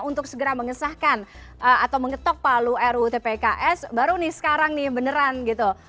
untuk segera mengesahkan atau mengetok palu rutpks baru nih sekarang nih beneran gitu